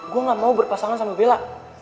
gue gak mau berpasangan sama bella